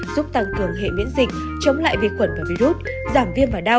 giúp tăng cường hệ miễn dịch chống lại vi khuẩn và virus giảm viêm và đau